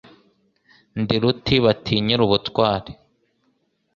ndi ruti batinyira ubutwali